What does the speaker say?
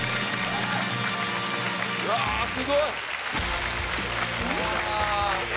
うわすごい！